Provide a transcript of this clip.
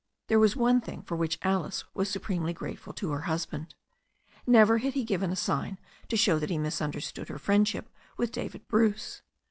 There was one thing for which Alice was supremely grateful to her husband. Never had he given a sign to show that he misunderstood her friendship with David Bruce.